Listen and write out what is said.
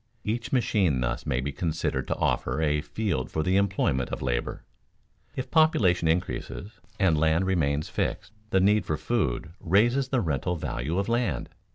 Each machine thus may be considered to offer a field for the employment of labor. If population increases and land remains fixed, the need for food raises the rental value of land.